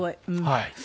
はい。